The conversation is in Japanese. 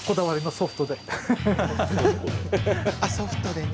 ソフトでね。